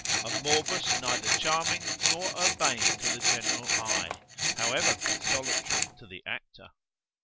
a morbus neither charming nor urbane to the general eye, however consolatory to the actor.